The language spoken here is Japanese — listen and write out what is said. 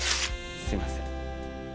すいません